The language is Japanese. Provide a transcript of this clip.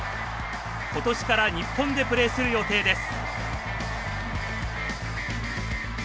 今年から日本でプレーする予定です。